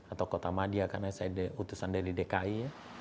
atau kota madia karena utusan dari dki